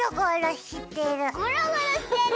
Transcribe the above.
ゴロゴロしてる。